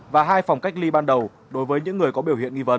và hai phòng cách ly ban đầu đối với những người có biểu hiện nghi vấn